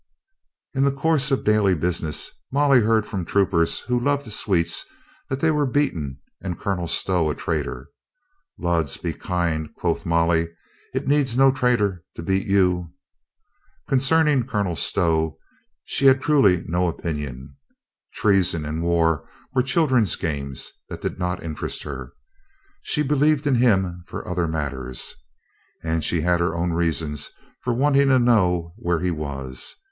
In the course of daily business, Molly heard from troopers who loved sweets that they were beaten and Colonel Stow a traitor. "Lud be kind," quoth Molly. "It needs no traitor to beat you." Concern ing Colonel Stow she had truly no opinion. Treason and war were children's games that did not interest her. She believed in him for other matters. And she had her own reasons for wanting to know where he was.